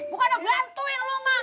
bukan ngebantuin lu bang